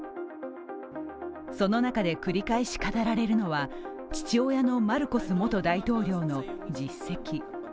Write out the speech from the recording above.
その中で、繰り返し語られるのは父親のマルコス元大統領の実績。